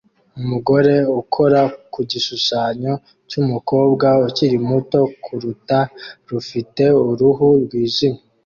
Umugore ukora ku gishushanyo cyumukobwa ukiri muto kurukuta rufite uruhu rwijimye